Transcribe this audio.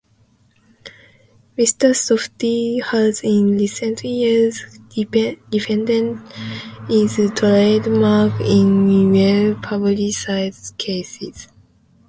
Mister Softee has in recent years defended its trademarks in well-publicized cases.